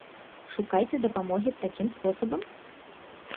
Шукайце дапамогі такім спосабам?